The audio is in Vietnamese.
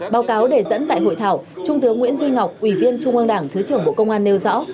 báo cáo đề dẫn tại hội thảo trung tướng nguyễn duy ngọc ủy viên trung ương đảng thứ trưởng bộ công an nêu rõ